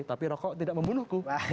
tapi rokok tidak membunuhku